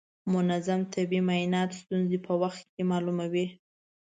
منظم طبي معاینات ستونزې په وخت کې معلوموي.